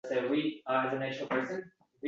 Aynan pedagoglar yosh avlodda atrofga